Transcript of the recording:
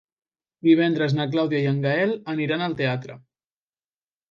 Divendres na Clàudia i en Gaël aniran al teatre.